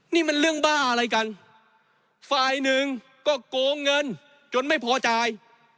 นี่มันเรื่องบ้าอะไรกันฝ่ายหนึ่งก็โกงเงินจนไม่พอจ่าย